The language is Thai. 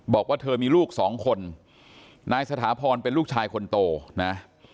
บอกว่าเธอมีลูกสองคนนายสถาพรเป็นลูกชายคนโตนะ